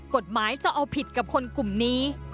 กฎหมายจะเอาผิดกับคนกลุ่มนี้